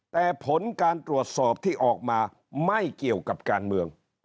แต่ผลการตรวจสอบที่ออกมาไม่เกี่ยวกับการเมือง